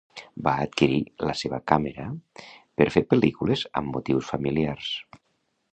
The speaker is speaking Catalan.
Va adquirir la seva càmera per fer pel·lícules amb motius familiars.